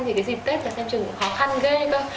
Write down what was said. thì cái dịp tết là xem chừng khó khăn ghê cơ